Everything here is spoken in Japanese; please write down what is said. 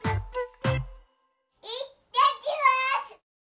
いってきます。